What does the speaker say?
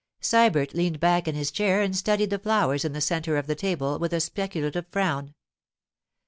Sybert leaned back in his chair and studied the flowers in the centre of the table with a speculative frown.